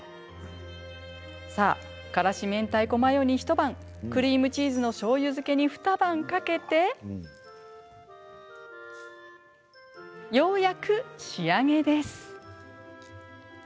さあ、からし明太子マヨに一晩クリームチーズのしょうゆ漬けに二晩かけてようやく仕上げです。